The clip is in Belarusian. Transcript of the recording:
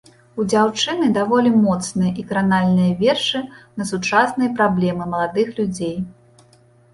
У дзяўчыны даволі моцныя і кранальныя вершы на сучасныя праблемы маладых людзей.